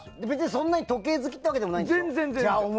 そんなに時計好きってわけでもないでしょ。